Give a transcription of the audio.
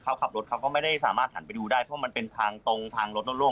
เขาขับรถเขาก็ไม่ได้สามารถหันไปดูได้เพราะมันเป็นทางตรงทางรถโล่ง